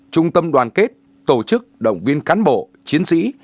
trung tâm đoàn kết tổ chức động viên cán bộ chiến sĩ